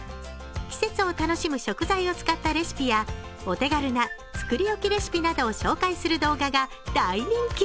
季節を楽しむ食材を使ったレシピやお手軽な作り置きレシピなどを紹介する動画が大人気。